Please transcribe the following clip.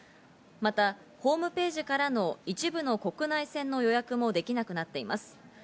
またホームページからの一部の国内線の予約もできなくなっています。